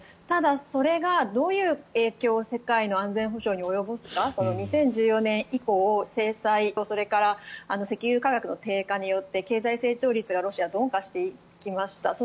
ただ、それがどういう影響を世界の安全保障に及ぼすか２０１４年以降制裁とそれから石油価格の低下によって経済成長率がロシアは鈍化していきました。